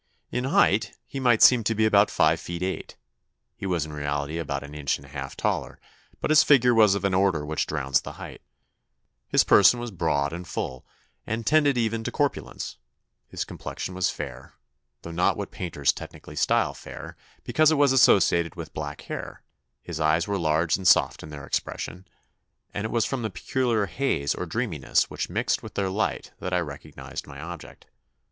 In height he might seem to be about five feet eight (he was in reality about an inch and a half taller, but his figure was of an order which drowns the height); his person was broad and full, and tended even to corpulence; his complexion was fair, though not what painters technically style fair, because it was associated with black hair; his eyes were large and soft in their expression, and it was from the peculiar haze or dreaminess which mixed with their light that I recognised my object.